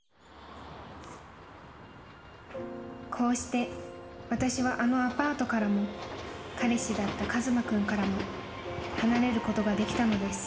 ［こうして私はあのアパートからも彼氏だった一馬君からも離れることができたのです］